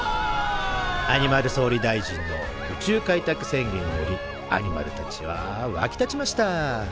アニマル総理大臣の「宇宙開拓宣言」によりアニマルたちはわき立ちました。